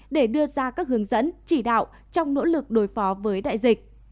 để đưa ra các hướng dẫn chỉ đạo trong nỗ lực đối phó với đại dịch